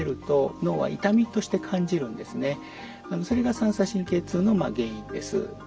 それが三叉神経痛の原因です。